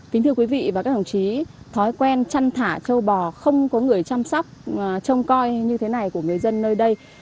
kính thưa quý vị và các đồng chí thói quen chăn thả châu bò không có người chăm sóc trông coi như thế này của người dân nơi đây